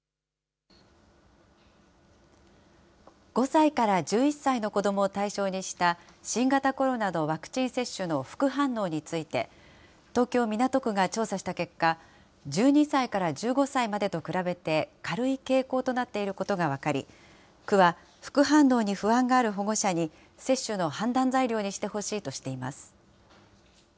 ５歳から１１歳の子どもを対象にした、新型コロナのワクチン接種の副反応について、東京・港区が調査した結果、１２歳から１５歳までと比べて軽い傾向となっていることが分かり、区は、副反応に不安がある保護者に接種の判断材料にしてほしいとしています。